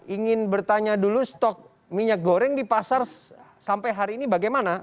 ingin bertanya dulu stok minyak goreng di pasar sampai hari ini bagaimana